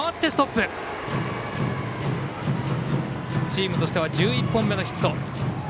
チームとしては１１本目のヒット。